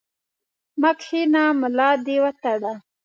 مه کښېنه ، ملا دي وتړه!